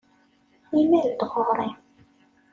Imal-d ɣur-i.